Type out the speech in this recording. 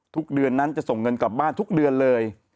ทุกเดือนนั้นจะส่งเงินกลับบ้านทุกเดือนเลย